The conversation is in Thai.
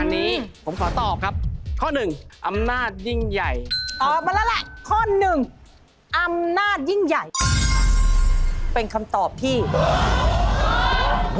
ตีมันได้ทั่วครั้งตัว